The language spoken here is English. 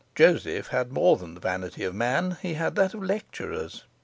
Joseph had more than the vanity of man, he had that of lecturers.